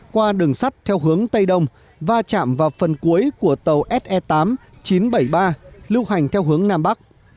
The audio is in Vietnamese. qua đường sắt theo hướng tây đông va chạm vào phần cuối của tàu se tám chín trăm bảy mươi ba lưu hành theo hướng nam bắc